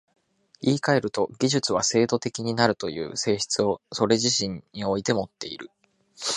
言い換えると、技術は制度的になるという性質をそれ自身においてもっている。